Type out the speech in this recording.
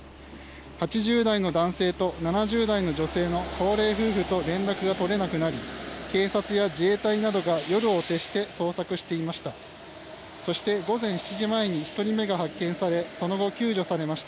８０代の男性と７０代の女性の高齢夫婦と連絡が取れなくなり警察や自衛隊などが夜を徹して捜索していました。